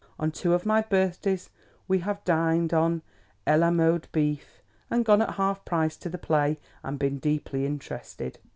On two of my birthdays, we have dined on à la mode beef, and gone at half price to the play, and been deeply interested.